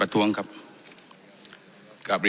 เป็นเพราะว่าคนกลุ่มหนึ่ง